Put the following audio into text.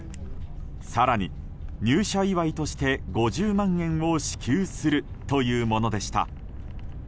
更に入社祝いとして５０万円を支給するというものでした。